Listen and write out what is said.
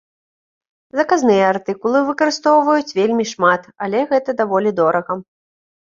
Заказныя артыкулы выкарыстоўваюць вельмі шмат, але гэта даволі дорага.